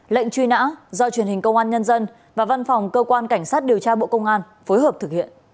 lệnh truy nã do truyền hình công an nhân dân và văn phòng cơ quan cảnh sát điều tra bộ công an phối hợp thực hiện